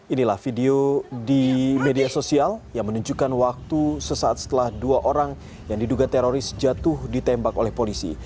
inilah video di media sosial yang menunjukkan waktu sesaat setelah dua orang yang diduga teroris jatuh ditembak oleh polisi